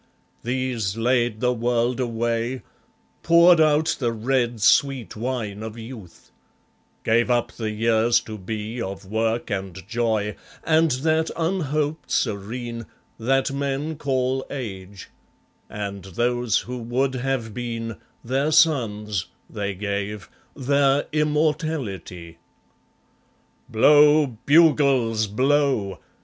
These laid the world away; poured out the red Sweet wine of youth; gave up the years to be Of work and joy, and that unhoped serene, That men call age; and those who would have been, Their sons, they gave, their immortality. Blow, bugles, blow!